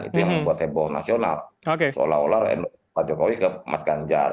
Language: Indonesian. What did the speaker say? itu yang membuat heboh nasional seolah olah pak jokowi ke mas ganjar